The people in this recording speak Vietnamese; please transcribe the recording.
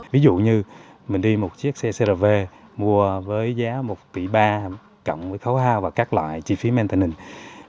ví dụ như mình đi một chiếc xe crv mua với giá một ba tỷ cộng với khấu hao và các loại chi phí maintenance